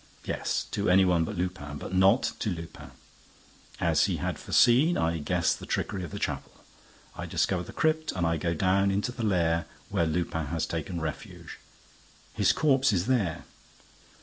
Yes, to any one but Lupin, but not to Lupin. As he had foreseen, I guess the trickery of the chapel, I discover the crypt and I go down into the lair where Lupin has taken refuge. His corpse is there!